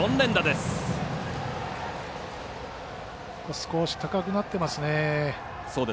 少し高くなってますね。